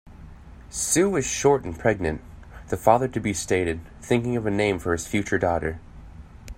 "Sue is short and pregnant", the father-to-be stated, thinking of a name for his future daughter.